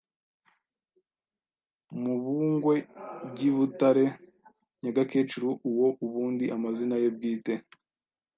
mubungwe by' i Butare Nyagakecuru uwo ubundi amazina ye bwite